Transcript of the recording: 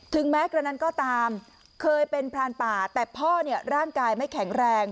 แม้กระนั้นก็ตามเคยเป็นพรานป่าแต่พ่อเนี่ยร่างกายไม่แข็งแรง